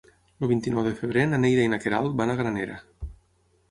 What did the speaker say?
El vint-i-nou de febrer na Neida i na Queralt van a Granera.